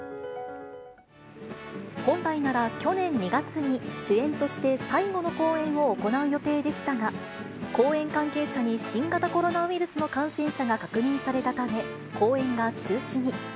本来なら去年２月に、主演として最後の公演を行う予定でしたが、公演関係者に新型コロナウイルスの感染者が確認されたため、公演が中止に。